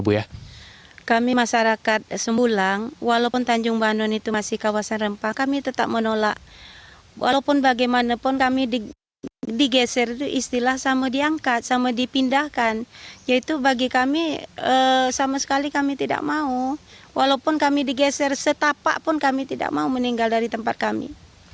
bergeser setapak pun kami tidak mau meninggal dari tempat kami